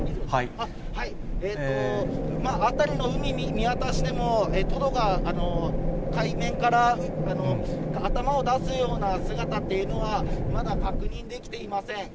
辺りの海見渡しても、トドが海面から頭を出すような姿っていうのは、まだ確認できていません。